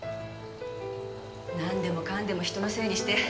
なんでもかんでも人のせいにして。